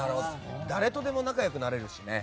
誰とでも仲良くなれるしね。